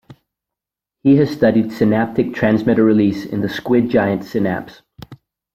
He has studied synaptic transmitter release in the squid giant synapse.